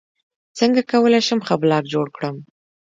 څنګه کولی شم ښه بلاګ جوړ کړم